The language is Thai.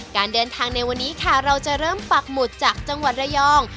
การเดินทางในวันนี้ค่ะเราจะเริ่มปักหมุดจากจังหวัดระยอง